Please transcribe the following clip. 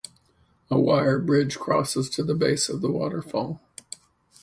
A wire bridge crosses to the base of the waterfall.